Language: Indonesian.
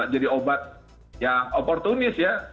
jadi obat yang opportunis ya